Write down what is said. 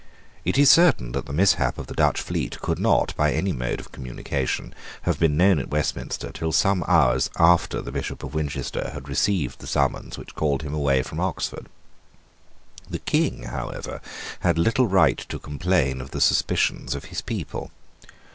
It is certain that the mishap of the Dutch fleet could not, by any mode of communication, have been known at Westminster till some hours after the Bishop of Winchester had received the summons which called him away from Oxford. The King, however, had little right to complain of the suspicions of his people.